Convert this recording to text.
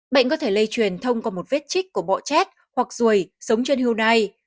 bệnh có thể lây truyền thông qua một vết chích của bọ chét hoặc ruồi sống trên hưu nai